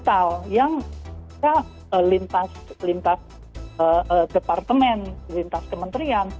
satu menteri digital yang lintas departemen lintas kementerian